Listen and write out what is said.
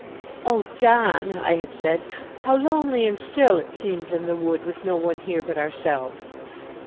"Oh, John," I had said, "how lonely and still it seems in the wood with no one here but ourselves!